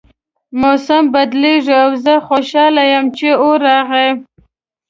موسم بدلیږي او زه خوشحاله یم چې اوړی راغی